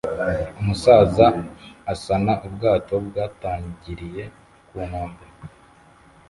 Umusaza asana ubwato bwatangiriye ku nkombe